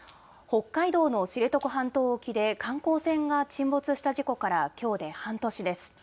北海道の知床半島沖で観光船が沈没した事故からきょうで半年です。